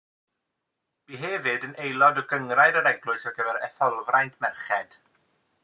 Bu hefyd yn aelod o Gynghrair yr Eglwys ar gyfer Etholfraint Merched.